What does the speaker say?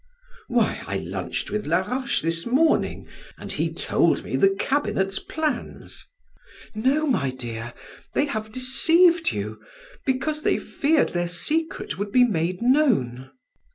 "Why, I lunched with Laroche this morning, and he told me the cabinet's plans!" "No, my dear, they have deceived you, because they feared their secret would be made known."